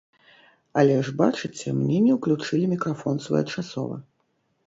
Але ж бачыце, мне не ўключылі мікрафон своечасова!